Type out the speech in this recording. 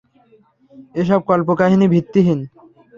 এসব কল্প-কাহিনী ভিত্তিহীন।